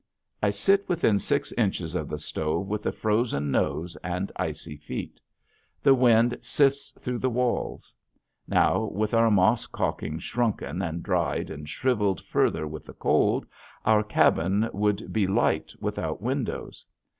I sit within six inches of the stove with a frozen nose and icy feet. The wind sifts through the walls. Now, with our moss calking shrunken and dried and shriveled further with the cold, our cabin would be light without windows.